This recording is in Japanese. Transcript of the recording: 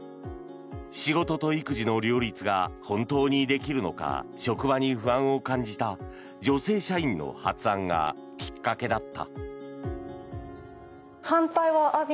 仕事と育児の両立が本当にできるのか職場に不安を感じた女性社員の発案がきっかけだった。